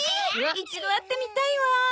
一度会ってみたいわ。